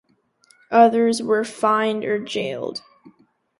Others were fined or jailed.